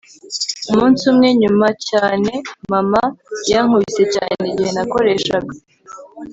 umunsi umwe, nyuma cyane, mama yankubise cyane igihe nakoreshaga